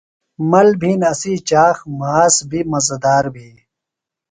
مل بِھین اسی چاخ، مھاس بیۡ مزہ دار بھی